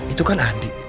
itu kan andi